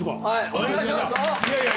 お願いします！